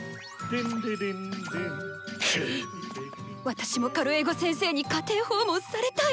私もカルエゴ先生に家庭訪問されたい！